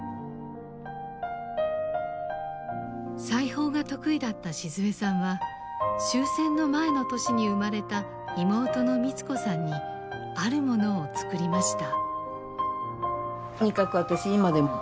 裁縫が得意だった静枝さんは終戦の前の年に生まれた妹の光子さんにあるものを作りました。